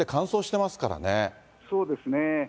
そうですね。